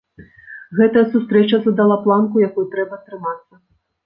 Гэтая сустрэча задала планку, якой трэба трымацца.